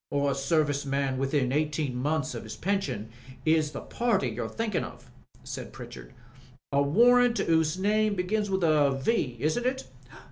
"A service man within eighteen months of his pension, is the party you're thinkin' of," said Pritchard, "A warrant 'pose name begins with a V., isn't it?"